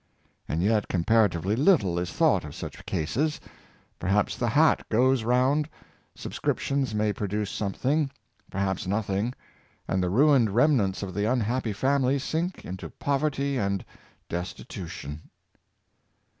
And yet comparatively little is thought of such cases. Perhaps the hat goes round. Subscriptions may produce something — perhaps noth ing; and the ruined remnants of the unhappy family sink into poverty and destitution.